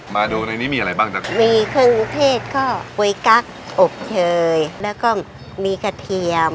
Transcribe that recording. มาดูในนี้มีอะไรบ้างนะครับมีเครื่องเทศก็กวยกั๊กอบเชยแล้วก็มีกระเทียม